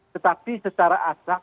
tetapi secara asal